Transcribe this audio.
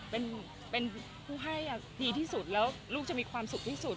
เป็นผู้ให้ดีที่สุดแล้วลูกจะมีความสุขที่สุด